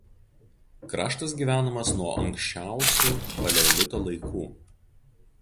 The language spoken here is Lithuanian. Kraštas gyvenamas nuo anksčiausių paleolito laikų.